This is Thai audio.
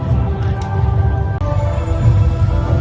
สโลแมคริปราบาล